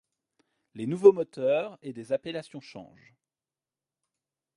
Les nouveaux moteurs et des appellations changent.